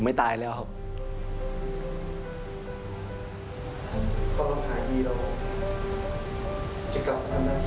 ผมไม่ตายแล้วครับ